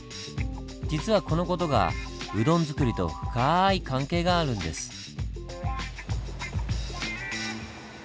実はこの事がうどん作りと深い関係があるんです。